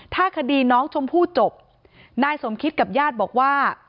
ถ้าคดีน้องชมพู่จบนายสมคิตกับญาติบอกว่า